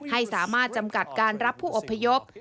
ให้สามารถจำกัดการรับผู้อบพยพ